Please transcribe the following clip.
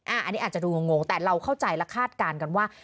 อันนี้อาจจะดูงงแต่เราเข้าใจและคาดการณ์กันว่า